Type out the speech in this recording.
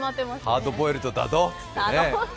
ハードボイルドだどって。